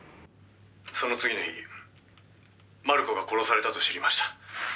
「その次の日マルコが殺されたと知りました」